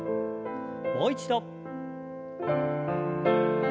もう一度。